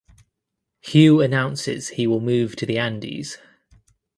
Huw announces he will move to the Andes.